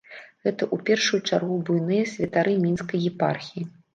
Гэта ў першую чаргу буйныя святары мінскай епархіі.